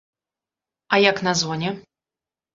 А як на зоне?